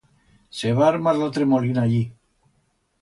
Se va armar la tremolina allí.